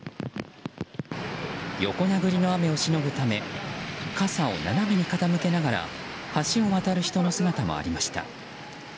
横殴りの雨をしのぐため傘を斜めに傾けながら橋を渡る人の姿もありました。